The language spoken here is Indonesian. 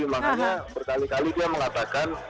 makanya berkali kali dia mengatakan